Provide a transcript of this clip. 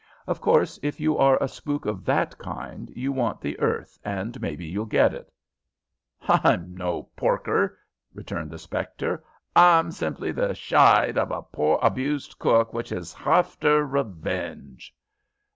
"Of course, if you are a spook of that kind you want the earth, and maybe you'll get it." "H'I'm no porker," returned the spectre. "H'I'm simply the shide of a poor abused cook which is hafter revenge."